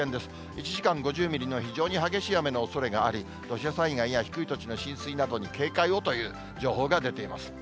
１時間５０ミリの非常に激しい雨のおそれがあり、土砂災害や低い土地の浸水などに警戒をという情報が出ています。